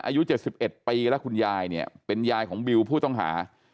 อายุ๗๑ปีแล้วคุณยายเนี่ยเป็นยายของบิวผู้ต้องหา